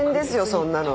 そんなの。